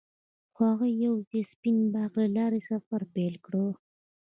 هغوی یوځای د سپین باغ له لارې سفر پیل کړ.